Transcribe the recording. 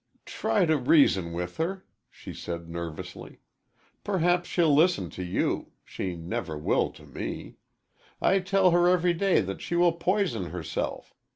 "Try to reason with her," she said nervously. "Perhaps she'll listen to you. She never will to me. I tell her every day that she will poison herself.